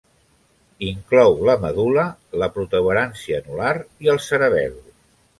Inclou la medul·la, la protuberància anular i el cerebel.